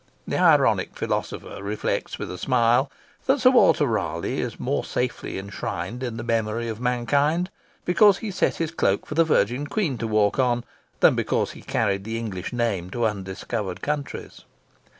The ironic philosopher reflects with a smile that Sir Walter Raleigh is more safely inshrined in the memory of mankind because he set his cloak for the Virgin Queen to walk on than because he carried the English name to undiscovered countries.